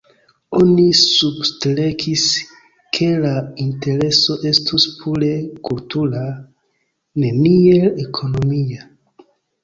Oni substrekis ke la intereso estus pure kultura, neniel ekonomia.